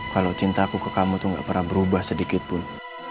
kalau cintaku ke kamu tuh gak pernah berubah sedikitpun